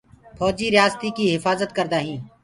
ڦوجي ريآستي ڪيٚ هڦآجد ڪردآ هينٚ۔